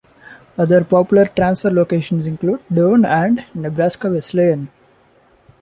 Other popular transfer locations include Doane and Nebraska Wesleyan.